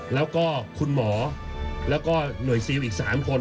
แล้วก็คุณหมอแล้วก็หน่วยซิลอีก๓คน